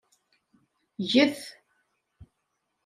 Gget.